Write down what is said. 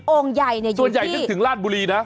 โองใหญ่อยู่ที่ส่วนใหญ่ก็ถึงราชบุรีนะ